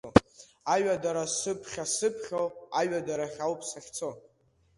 Аҩадара сыԥхьа-сыԥхьо, аҩадарахь ауп сахьцо.